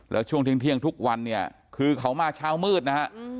แล้วช่วงเที่ยงทุกวันเนี่ยคือเขามาเช้ามืดนะฮะ